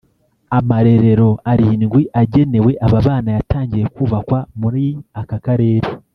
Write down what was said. Amarerero arindwi agenewe aba bana yatangiye kubakwa muri aka Karere